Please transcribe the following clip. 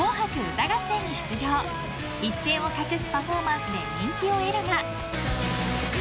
［一線を画すパフォーマンスで人気を得るが］